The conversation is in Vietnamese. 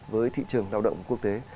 với thị trường lao động quốc tế